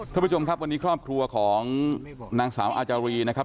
ท่านผู้ชมครับวันนี้ครอบครัวของนางสาวอาจารีนะครับ